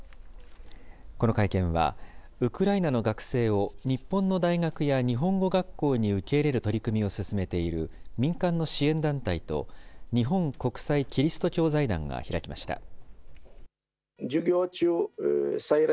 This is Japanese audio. この会見は、ウクライナの学生を、日本の大学や日本語学校に受け入れる取り組みを進めている民間の支援団体と、日本国際基督教財団が開きました。